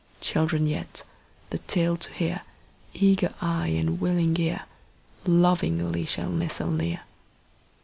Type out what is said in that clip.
Children yet, the tale to hear, Eager eye and willing ear, Lovingly shall nestle near.